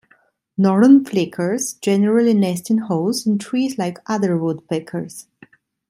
Northern flickers generally nest in holes in trees like other woodpeckers.